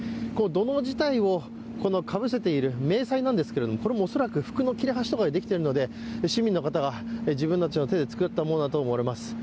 この土のう自体をかぶせている迷彩なんですけどこれ、恐らく服の切れ端とかでできているので市民たちが自分たちの手で作ったものだと思われます。